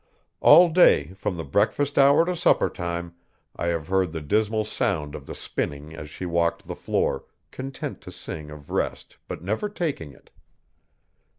All day, from the breakfast hour to supper time, I have heard the dismal sound of the spinning as she walked the floor, content to sing of rest but never taking it.